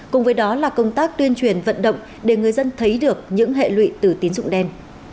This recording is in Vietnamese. cùng với đó là công tác tuyên truyền vận động để người dân thấy được những hệ lụy từ tín dụng đen